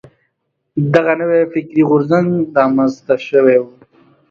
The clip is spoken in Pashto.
دغه نوی فکري غورځنګ را منځته شوی و.